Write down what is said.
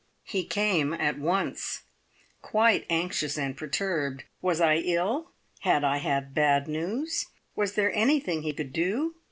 He came at once; quite anxious and perturbed. Was I ill? Had I had bad news? Was there anything he could do?